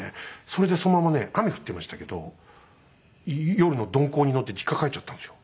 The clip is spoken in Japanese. それでそのままね雨降ってましたけど夜の鈍行に乗って実家帰っちゃったんですよ。